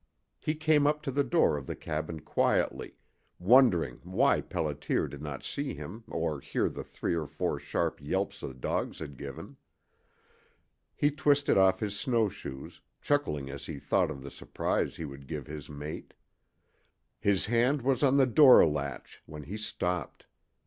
He came up to the door of the cabin quietly, wondering why Pelliter did not see him or hear the three or four sharp yelps the dogs had given. He twisted off his snow shoes, chuckling as he thought of the surprise he would give his mate. His hand was on the door latch when he stopped.